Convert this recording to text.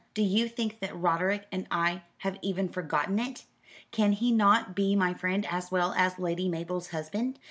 Do you think that Roderick and I have even forgotten it? Can he not be my friend as well as Lady Mabel's husband?